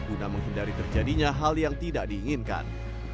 guna menghindari terjadinya hal yang tidak diinginkan